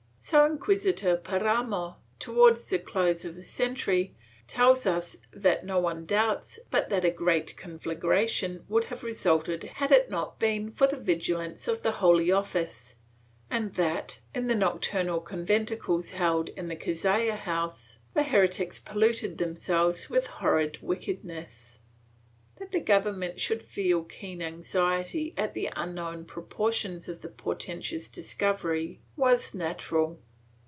^ So Inquisitor Paramo, towards the close of the century, tells us that no one doubts but that a great conflagration would have resulted had it not been for the vigilance of the Holy Office and that, in the nocturnal con venticles held in the Cazalla house, the heretics polluted them selves with horrid wickedness.^ That the government should feel keen anxiety at the unknown proportions of the portentous discovery was natural.